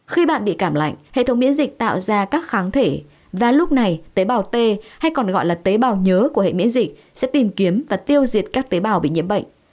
khi bạn bị cảm lạnh hệ thống miễn dịch tạo ra các kháng thể và lúc này tế bào t hay còn gọi là tế bào nhớ của hệ miễn dịch sẽ tìm kiếm và tiêu diệt các tế bào bị nhiễm bệnh